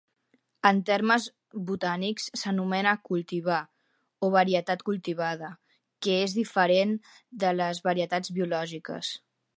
En termes botànics s'anomena cultivar, o varietat cultivada, que és diferent de les varietats biològiques.